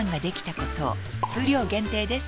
数量限定です